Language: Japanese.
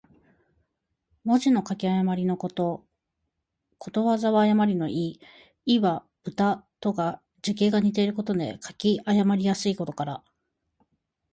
文字の書き誤りのこと。「譌」は誤りの意。「亥」と「豕」とが、字形が似ているので書き誤りやすいことから。